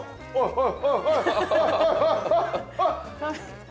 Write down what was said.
はい。